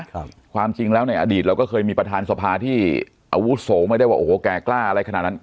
ความจริงแล้วในอดีตเราก็เคยมีประธานสภาที่อาวุโสไม่ได้ว่าโอ้โหแก่กล้าอะไรขนาดนั้น